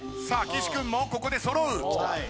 さあ岸君もここで揃う。